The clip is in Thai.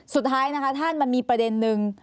สุดท้ายนะคะท่านมันมีประเด็นนึง